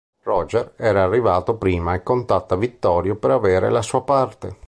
Roger era arrivato prima e contatta Vittorio per avere la sua parte.